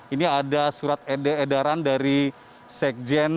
ini ada surat edaran dari sekjen kemendikbud ainun naim